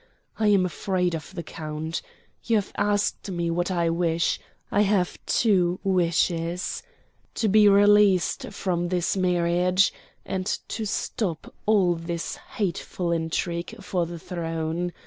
I am afraid of the count. You have asked me what I wish. I have two wishes to be released from this marriage, and to stop all this hateful intrigue for the throne.